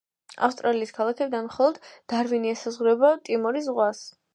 ავსტრალიის ქალაქებიდან, მხოლოდ დარვინი ესაზღვრება ტიმორის ზღვას.